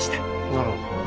なるほど。